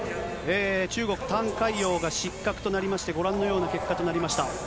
中国、タン海洋が失格となりまして、ご覧のような結果となりました。